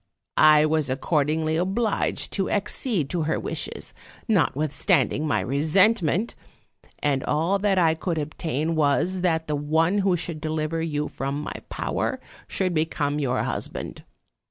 I was accordingly obliged to accede to her wishes, notwithstanding my resentment; and all that I could obtain was, that the one who should deliver you from my power should become your husband.